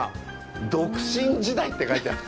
独身時代って書いてある。